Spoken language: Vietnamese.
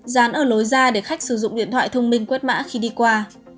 dán ở lối ra để khách sử dụng điện thoại thông minh quét mã khi đi qua